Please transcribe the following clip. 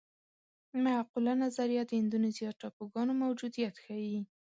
معقوله نظریه د اندونیزیا ټاپوګانو موجودیت ښيي.